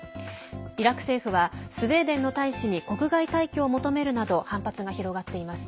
イラク政府はスウェーデンの大使に国外退去を求めるなど反発が広がっています。